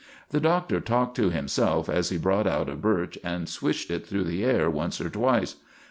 The Doctor talked to himself as he brought out a birch and swished it through the air once or twice.